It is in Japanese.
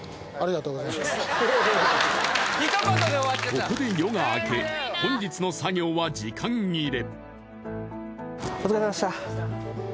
ここで夜が明け本日の作業は時間切れ。